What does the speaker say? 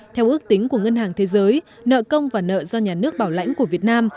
theo ước tính của ngân hàng thế giới nợ công và nợ do nhà nước bảo lãnh của việt nam